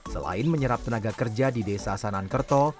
selain menyerap tenaga kerja di desa sanan kerto